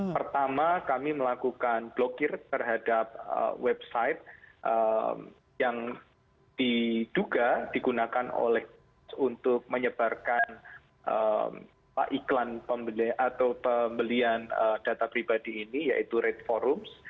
pertama kami melakukan blokir terhadap website yang diduga digunakan untuk menyebarkan iklan atau pembelian data pribadi ini yaitu rate forum